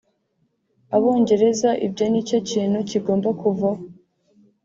Abongereza …Ibyo nicyo kintu kigomba kuvaho